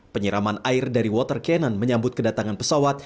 penyiraman air dari water cannon menyambut kedatangan pesawat